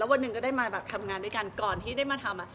วันหนึ่งก็ได้มาแบบทำงานด้วยกันก่อนที่ได้มาทำ